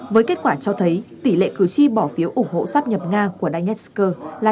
với kết quả cho thấy tỉ lệ cử tri bỏ phiếu ủng hộ sắp nhập nga của donetsk là chín mươi chín hai mươi ba